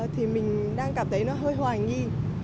thì mình đang cảm thấy nó hơi hoài nghi